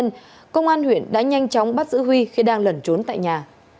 công an huyện đã nhanh chóng bắt giữ huy khi đang lẩn trốn tại nhà